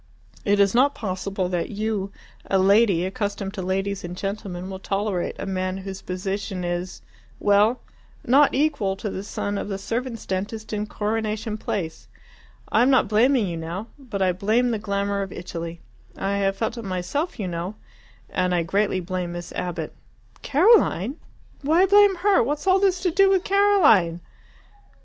It is not possible that you, a lady, accustomed to ladies and gentlemen, will tolerate a man whose position is well, not equal to the son of the servants' dentist in Coronation Place. I am not blaming you now. But I blame the glamour of Italy I have felt it myself, you know and I greatly blame Miss Abbott." "Caroline! Why blame her? What's all this to do with Caroline?"